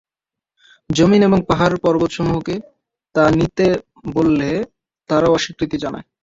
যমীন এবং পাহাড় পর্বতসমূহকে তা নিতে বললে তারাও অস্বীকৃতি জানায়।